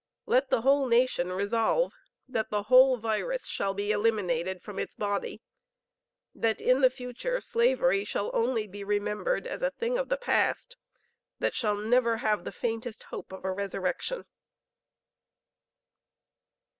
Let the whole nation resolve that the whole virus shall be eliminated from its body; that in the future slavery shall only be remembered as a thing of the past that shall never have the faintest hope of a resurrection."